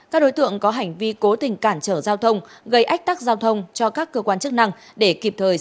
các đối tượng có hành vi cố tình cản trở giao thông gây ách tắc giao thông cho các cơ quan chức năng để kịp thời xử lý theo quy định